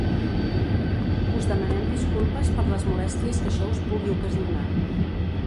Us demanem disculpes per les molèsties que això us pugui ocasionar.